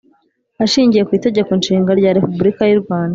Ashingiye ku Itegeko Nshinga rya Repubulika y’u Rwanda